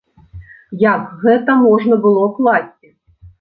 Як гэта можна было класці?